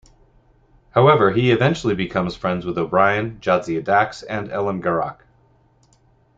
However, he eventually becomes friends with O'Brien, Jadzia Dax, and Elim Garak.